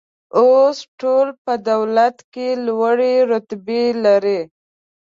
اوس ټول په دولت کې لوړې رتبې لري.